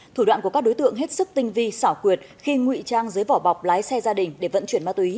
thủ đoạn của các đối tượng hết sức tinh vi xảo quyệt khi ngụy trang dưới vỏ bọc lái xe gia đình để vận chuyển ma túy